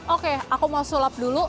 oke aku mau sulap dulu